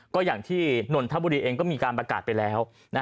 ก็อย่างที่นนทบุรีเองก็มีการประกาศไปแล้ว